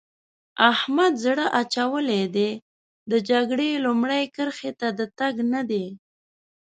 احمد زړه اچولی دی؛ د جګړې لومړۍ کرښې ته د تګ نه دی.